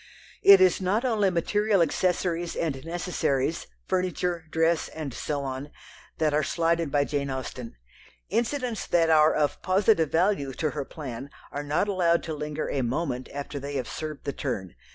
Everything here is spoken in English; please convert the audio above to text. It is not only material accessories and necessaries, furniture, dress, and so on that are slighted by Jane Austen. Incidents that are of positive value to her plan are not allowed to linger a moment after they have served the turn.